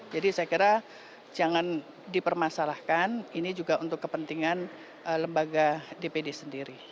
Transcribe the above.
saya kira jangan dipermasalahkan ini juga untuk kepentingan lembaga dpd sendiri